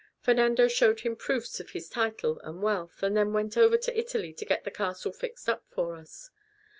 Fernando showed him proofs of his title and wealth, and then went over to Italy to get the castle fixed up for us.